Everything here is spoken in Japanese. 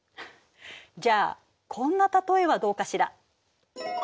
じゃあこんな例えはどうかしら。